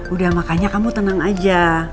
udah makanya kamu tenang aja